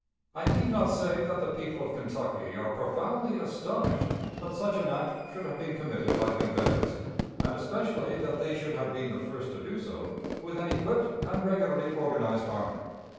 I need not say that the people of Kentucky are profoundly astonished that such an act should have been committed by the Confederates, and especially that they should have been the first to do so with an equipped and regularly organized army.